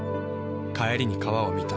帰りに川を見た。